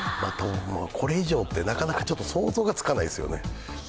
これ以上って、なかなか想像がつかないですよね。